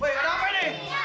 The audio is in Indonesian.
woy ada apa ini